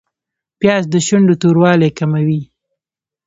پیاز د شونډو توروالی کموي